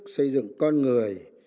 xây dựng con người